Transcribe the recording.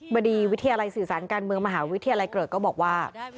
บดีวิทยาลัยสื่อสารการเมืองมหาวิทยาลัยเกริกก็บอกว่า